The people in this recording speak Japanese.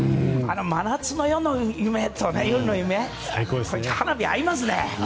「真夏の世の夢」と花火合いますね。